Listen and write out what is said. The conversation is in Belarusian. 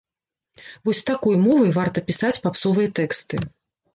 Вось такой мовай варта пісаць папсовыя тэксты!